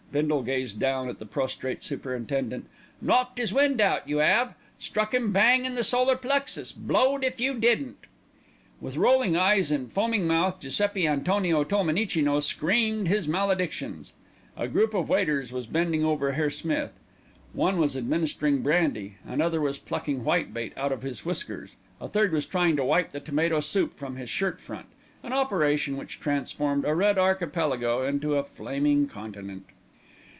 Bindle gazed down at the prostrate superintendent. "Knocked 'is wind out, you 'ave. Struck 'im bang in the solar plexus, blowed if you didn't!" With rolling eyes and foaming mouth Giuseppi Antonio Tolmenicino screamed his maledictions. A group of waiters was bending over Herr Smith. One was administering brandy, another was plucking whitebait out of his whiskers, a third was trying to wipe the tomato soup from his shirt front, an operation which transformed a red archipelago into a flaming continent.